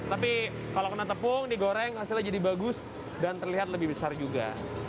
tapi kalau kena tepung digoreng hasilnya jadi bagus dan terlihat lebih besar juga